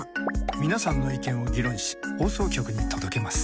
皆さんの意見を議論し放送局に届けます。